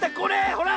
ほら！